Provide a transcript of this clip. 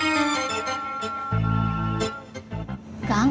iyun ikut ya kang